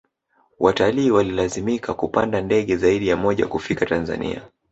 watalii walilazimika kupanda ndege zaidi ya moja kufika tanzania